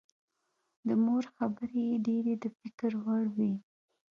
د مور خبرې یې ډېرې د فکر وړ وې